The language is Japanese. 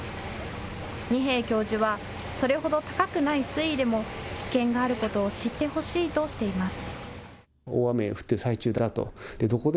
二瓶教授はそれほど高くない水位でも危険があることを知ってほしいとしています。